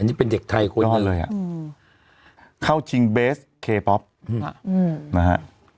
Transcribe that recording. อันนี้เป็นเด็กไทยควบคุมยอดเลยอ่ะอืมเข้าจิงเบสเคป๊อปอืมอืมนะฮะ